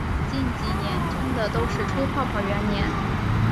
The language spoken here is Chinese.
近几年真的都是吹泡泡元年